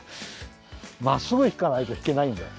まっすぐひかないとひけないんだよ。